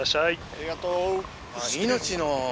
ありがとう。